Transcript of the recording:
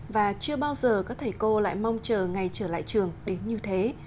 và chưa bao giờ các thầy cô lại mong chờ ngày trở lại trường đến như thế